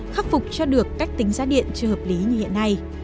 khắc phục cho được cách tính giá điện chưa hợp lý như hiện nay